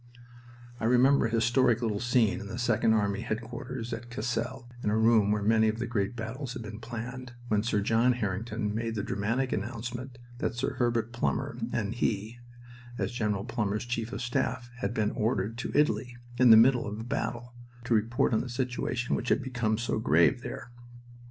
I remember a historic little scene in the Second Army headquarters at Cassel, in a room where many of the great battles had been planned, when Sir John Harington made the dramatic announcement that Sir Herbert Plumer, and he, as General Plumer's chief of staff, had been ordered to Italy in the middle of a battle to report on the situation which had become so grave there.